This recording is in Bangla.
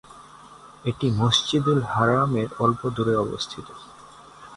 এটি মসজিদুল হারামের অল্প দূরে অবস্থিত।